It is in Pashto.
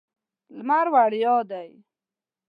لمر وړیا دی.